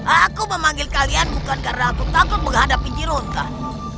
aku memanggil kalian bukan karena aku takut menghadapi jerokan